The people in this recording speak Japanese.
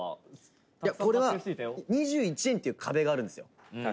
北山：これは、２１円っていう壁があるんですよ。